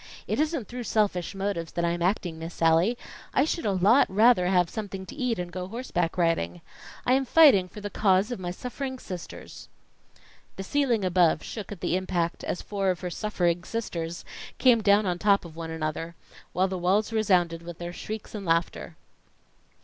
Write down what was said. It isn't through selfish motives that I am acting, Miss Sallie. I should a lot rather have something to eat and go horseback riding. I am fighting for the cause of my suffering sisters." The ceiling above shook at the impact, as four of her suffering sisters came down on top of one another, while the walls resounded with their shrieks and laughter.